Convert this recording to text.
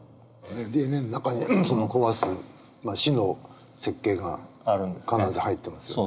ＤＮＡの中にその壊す死の設計が必ず入ってますよね。